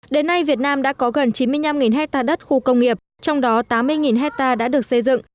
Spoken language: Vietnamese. đến nay việt nam đã có gần chín mươi năm hectare đất khu công nghiệp trong đó tám mươi hectare đã được xây dựng